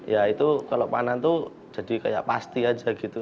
ya itu kalau panas itu jadi kayak pasti aja gitu